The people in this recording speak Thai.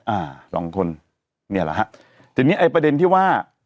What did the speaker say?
อ่าสองคนเนี่ยแหละฮะทีนี้ไอ้ประเด็นที่ว่า